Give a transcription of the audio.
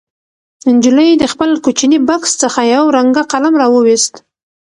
نجلۍ د خپل کوچني بکس څخه یو رنګه قلم راوویست.